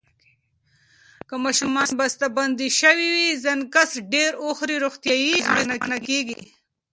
که ماشومان بستهبندي شوي سنکس ډیر وخوري، روغتیا یې اغېزمنه کېږي.